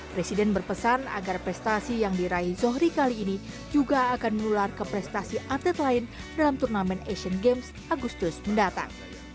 presiden berpesan agar prestasi yang diraih zohri kali ini juga akan menular ke prestasi atlet lain dalam turnamen asian games agustus mendatang